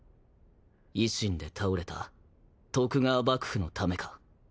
維新で倒れた徳川幕府のためか？